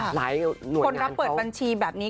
หลายหน่วยงานเขาคนรับเปิดบัญชีแบบนี้